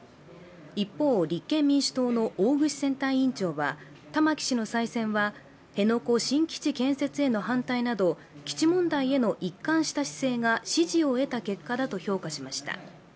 一方、立憲民主党の大串選対委員長は玉城氏の再選は、辺野古新基地建設への反対など基地問題への一貫した姿勢が支持を得た結果だと評価しました。